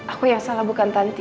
aku yang salah bukan tanti